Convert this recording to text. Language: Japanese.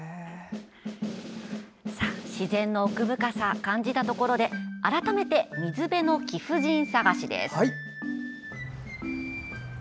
自然の奥深さを感じたところで改めて、水辺の貴婦人探しです。